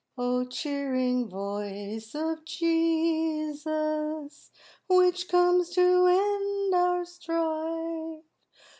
O cheering voice of Jesus, Which comes to end our strife.